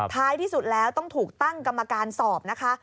ท้ายที่สุดแล้วต้องถูกตั้งกรรมการสอบนะคะ